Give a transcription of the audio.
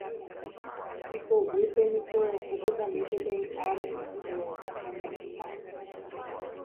ipoguýpe niko opytami peteĩ árape ko ñane retã